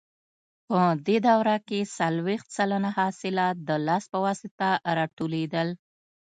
په دې دوره کې څلوېښت سلنه حاصلات د لاس په واسطه راټولېدل.